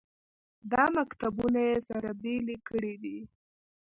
دا مکتبونه یې سره بېلې کړې دي.